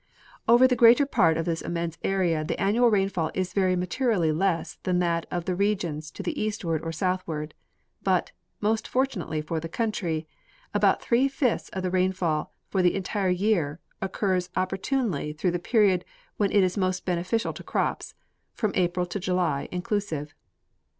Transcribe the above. Over the greater part of this immense area the annual rainfall is very materially less than that of the regions to the eastAvard or southward, b^it, most fortunately for the country, about three fifths of the rainfall for the entire year occurs oppor tunely through the period when it is most beneficial to crops, from April to July, inclusive.